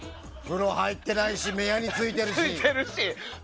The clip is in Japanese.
風呂入ってないし目ヤニついてるし。